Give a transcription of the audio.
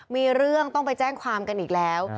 มีเรื่องต้องไปแจ้งความกันอีกแล้ว